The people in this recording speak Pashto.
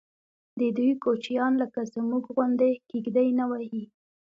ددوی کوچیان لکه زموږ غوندې کېږدۍ نه وهي.